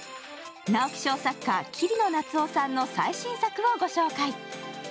直木賞作家・桐野夏生さんの最新作をご紹介。